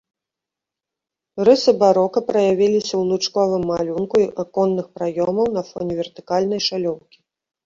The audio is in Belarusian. Рысы барока праявіліся ў лучковым малюнку аконных праёмаў на фоне вертыкальнай шалёўкі.